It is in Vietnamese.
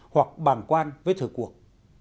hoặc bàng quan với thử cuộc